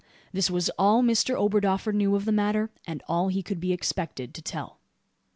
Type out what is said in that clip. This was all Mr Oberdoffer knew of the matter; and all he could be expected to tell.